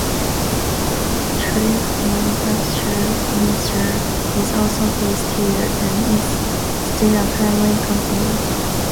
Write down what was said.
Trike manufacturer Winther is also based here, and is still a family company.